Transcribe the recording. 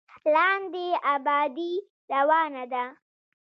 لاندې ابادي روانه ده.